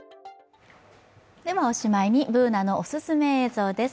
おしまいにＢｏｏｎａのおすすめ映像です。